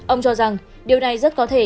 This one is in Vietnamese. ông cho rằng điều này rất có thể